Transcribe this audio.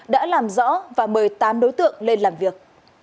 đã làm rõ và mời tám đối tượng lên làm việc